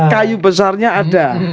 kayu besarnya ada